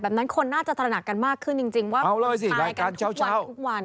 แบบนั้นคนน่าจะตระหนักกันมากขึ้นจริงจริงว่าเอาเลยสิรายการเช้าเช้าทุกวัน